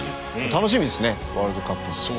楽しみですねワールドカップ。